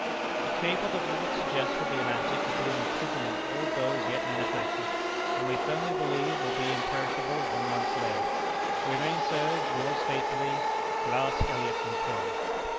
"The cable that we would suggest for the Atlantic will be an improvement on all those yet manufactured, and we firmly believe will be imperishable when once laid. "We remain, sir, yours faithfully, "Glass, Elliot & Co."